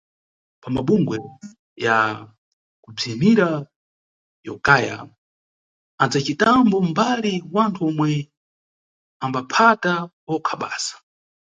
Pamabungwe ya kubziyimira yokaya, andzacitambo mbali wanthu omwe ambaphata okha basa.